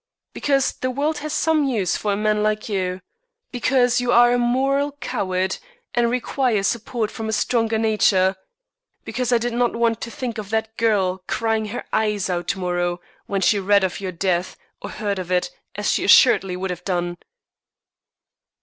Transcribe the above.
"Because the world has some use for a man like you. Because you are a moral coward, and require support from a stronger nature. Because I did not want to think of that girl crying her eyes out to morrow when she read of your death, or heard of it, as she assuredly would have done."